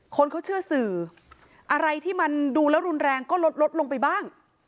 คนเขาเชื่อสื่ออะไรที่มันดูแล้วรุนแรงก็ลดลดลงไปบ้าง